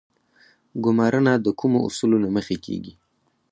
ګمارنه د کومو اصولو له مخې کیږي؟